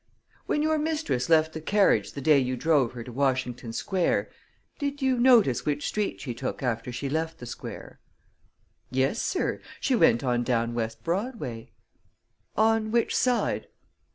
"When your mistress left the carriage the day you drove her to Washington Square, did you notice which street she took after she left the square?" "Yes, sir; she went on down West Broadway." "On which side?"